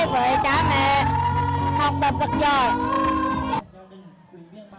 với trái mẹ học tập rất giỏi